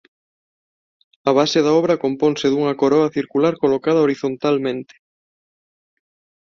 A base da obra componse dunha coroa circular colocada horizontalmente.